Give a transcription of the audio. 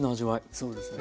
そうですね。